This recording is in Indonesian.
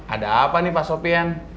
ada apa nih pak sofian